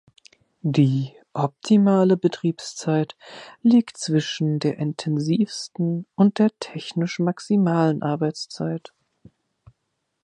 Die "optimale Betriebszeit" liegt zwischen der intensivsten und der technisch maximalen Arbeitszeit.